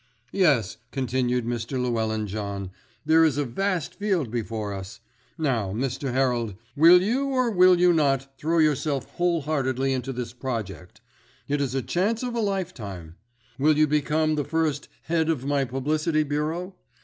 "Yes," continued Mr. Llewellyn John, "there is a vast field before us. Now, Mr. Herald, will you or will you not throw yourself wholeheartedly into this project? It is a chance of a lifetime. Will you become the first Head of my Publicity Bureau?